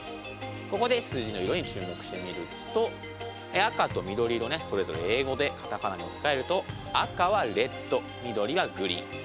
ここで数字の色に注目してみると赤と緑色ねそれぞれ英語で片仮名に置き換えると赤はレッド緑がグリーン。